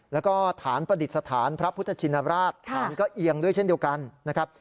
แล้วก็ฐานประดิษฐานพระพุทธชินราชฐานก็เอียงด้วยเช่นเดียวกันนะครับ